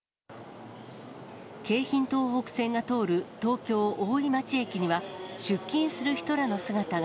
京浜東北線が通る東京・大井町駅には、出勤する人らの姿が。